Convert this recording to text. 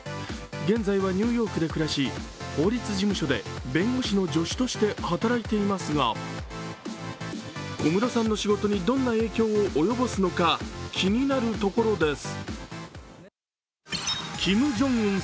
現在はニューヨークで暮らし、法律事務所で弁護士の助手として働いていますが小室さんの仕事にどんな影響をもたらすのか気になるところです。